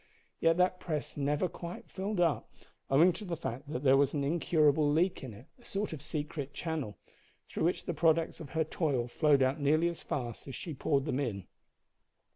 Yet that press never quite filled up, owing to the fact that there was an incurable leak in it a sort of secret channel through which the products of her toil flowed out nearly as fast as she poured them in.